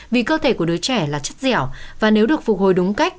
vì cơ thể của đứa trẻ là chất dẻo và nếu được phục hồi đúng cách